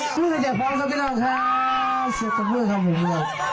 ตีกันแบบนี้